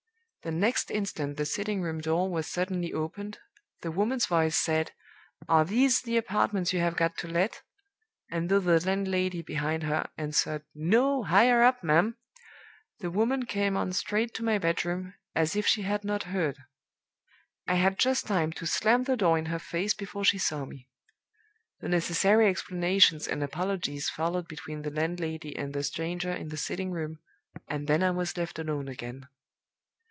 The next instant the sitting room door was suddenly opened; the woman's voice said, 'Are these the apartments you have got to let?' and though the landlady, behind her, answered, 'No! higher up, ma'am,' the woman came on straight to my bedroom, as if she had not heard. I had just time to slam the door in her face before she saw me. The necessary explanations and apologies followed between the landlady and the stranger in the sitting room, and then I was left alone again.